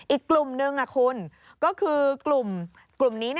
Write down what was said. อีกกลุ่มนึงคุณก็คือกลุ่มนี้